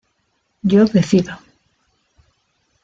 Yo decido.